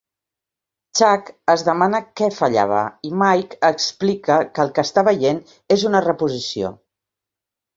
"Chuck" es demana què fallava i Mike explica que el que està veient és una reposició.